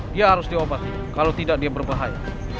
dia harus diobati kalau tidak dia berbahaya